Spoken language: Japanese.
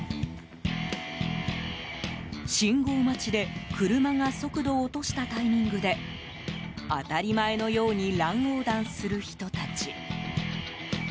信号待ちで車が速度を落としたタイミングで当たり前のように乱横断する人たち。